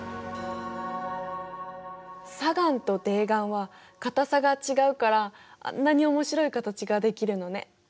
砂岩と泥岩は硬さが違うからあんなに面白い形ができるのね。